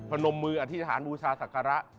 นมมืออธิษฐานบูชาศักระ